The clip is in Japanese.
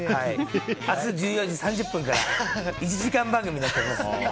明日１４時３０分から１時間番組になっております。